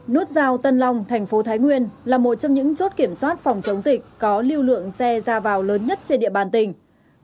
nút giao tân long thành phố thái nguyên là một trong những chốt kiểm soát phòng chống dịch có lưu lượng xe ra vào lớn nhất trên địa bàn tỉnh